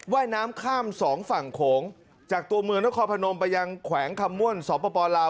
ว่ายน้ำข้ามสองฝั่งโขงจากตัวเมืองนครพนมไปยังแขวงคำม่วนสปลาว